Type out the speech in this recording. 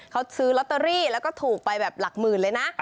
เขาซื้อลอตเตอรี่แล้วก็ถูกไปแบบหลักหมื่นเลยนะ